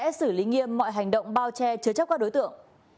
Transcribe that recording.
pháp luật sẽ xử lý nghiêm mọi hành động bao che chứa chấp các đối tượng